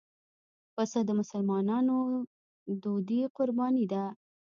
پسه د مسلمانانو دودي قرباني ده.